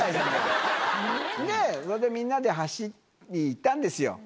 それでみんなで走りに行ったんですよ。